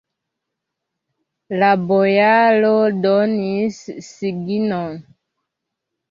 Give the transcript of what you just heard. La bojaro donis signon.